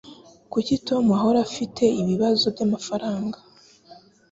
Kuki Tom ahora afite ibibazo byamafaranga?